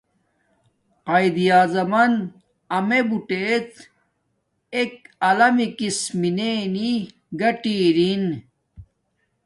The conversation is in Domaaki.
قایداعظمن امیے بوٹیڎ ایک علمی کس مینے نی گاٹی ارین